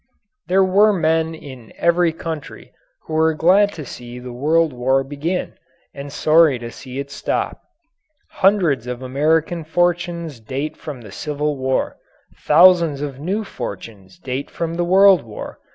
There were men in every country who were glad to see the World War begin and sorry to see it stop. Hundreds of American fortunes date from the Civil War; thousands of new fortunes date from the World War.